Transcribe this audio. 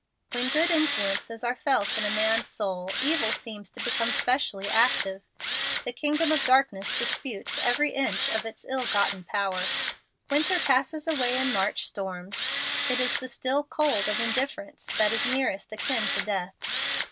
When good influences are felt in a man's soul, evil seems to become specially active. The kingdom of darkness disputes every inch of its ill gotten power. Winter passes away in March storms. It is the still cold of indifference that is nearest akin to death.